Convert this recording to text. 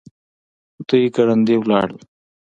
دوی ګړندي ولاړل.